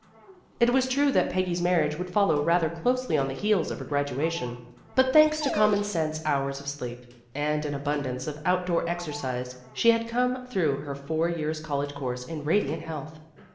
It was true that Peggy's marriage would follow rather closely on the heels of her graduation, but thanks to common sense hours of sleep, and an abundance of outdoor exercise, she had come through her four years^ college course in radiant health.